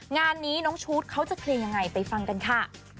งานนี้น้องชูตเขาจะเคลียร์ยังไงไปฟังกันค่ะ